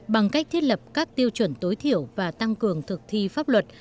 bằng cách thiết lập các tiêu chuẩn tối thiểu và tăng cường thực thi pháp luật